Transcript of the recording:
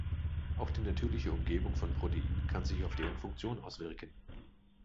Auch die natürliche Umgebung von Proteinen kann sich auf deren Funktion auswirken.